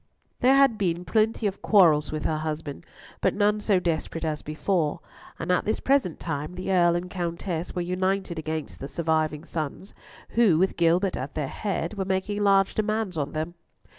There had been plenty of quarrels with her husband, but none so desperate as before, and at this present time the Earl and Countess were united against the surviving sons, who, with Gilbert at their head, were making large demands on them.